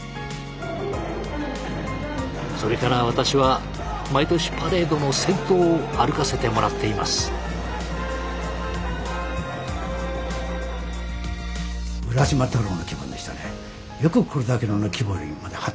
それから私は毎年パレードの先頭を歩かせてもらっています。と思っています。